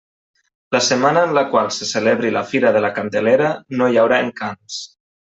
La setmana en la qual se celebri la Fira de la Candelera no hi haurà Encants.